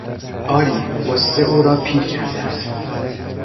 آری، غصه او را پیر کرده است.